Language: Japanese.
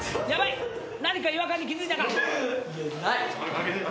何か違和感に気付いたか！？